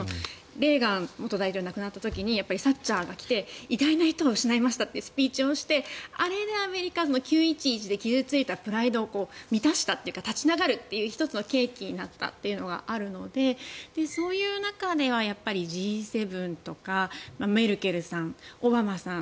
レーガン元大統領が亡くなった時にサッチャーが来て偉大な人を失いましたとスピーチをしてあれでアメリカの９・１１で傷付いたプライドを満たしたというか立ち上がるという１つの契機になったというのがあるのでそういう中ではＧ７とかメルケルさん、オバマさん